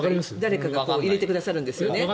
誰かが入れてくださるんですよね？